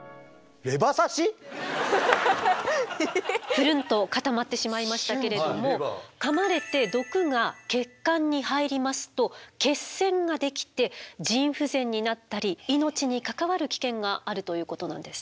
ぷるんと固まってしまいましたけれどもかまれて毒が血管に入りますと血栓ができて腎不全になったり命に関わる危険があるということなんですね。